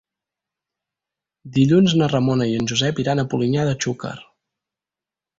Dilluns na Ramona i en Josep iran a Polinyà de Xúquer.